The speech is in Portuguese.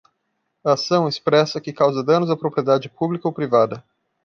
A ação expressa que causa danos à propriedade pública ou privada.